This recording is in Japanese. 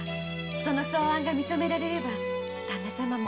その草案が認められれば旦那様も？